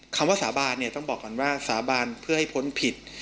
คำว่าสาบานเนี่ยต้องบอกก่อนว่าสาบานเพื่อให้พ้นผิด